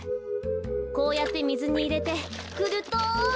こうやってみずにいれてふると。